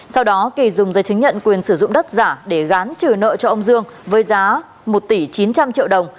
sau đó kỳ dùng giấy chứng nhận quyền sử dụng đất giả để gán trừ nợ cho ông dương với giá một tỷ chín trăm linh triệu đồng